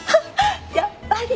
やっぱり！